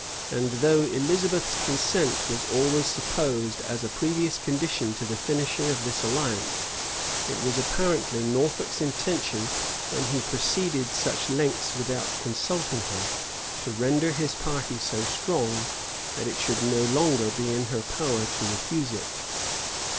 [] And though Elizabeth's consent was always supposed as a previous condition to the finishing of this alliance, it was apparently Norfolk's intention, when he proceeded such lengths without consulting her, to render his party so strong, that it should no longer be in her power to refuse it.